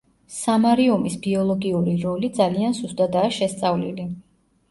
სამარიუმის ბიოლოგიური როლი ძალიან სუსტადაა შესწავლილი.